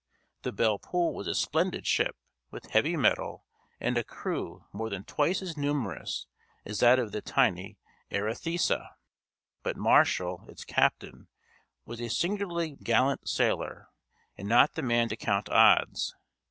The Belle Poule was a splendid ship, with heavy metal, and a crew more than twice as numerous as that of the tiny Arethusa. But Marshall, its captain, was a singularly gallant sailor, and not the man to count odds.